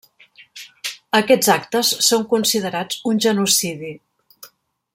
Aquests actes són considerats un genocidi.